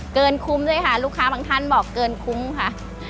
คุ้มด้วยค่ะลูกค้าบางท่านบอกเกินคุ้มค่ะ